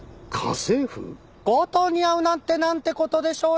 強盗に遭うなんてなんて事でしょう。